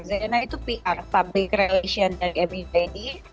zena itu pr public relations dari amibady